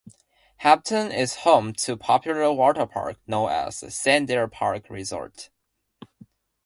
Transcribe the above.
Hampton is home to a popular waterpark known as "Cedar Park Resort".